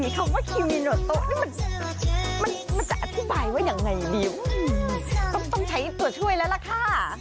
คำว่านี่มันมันมันจะอธิบายไว้ยังไงดีต้องใช้ตัวช่วยแล้วล่ะค่ะ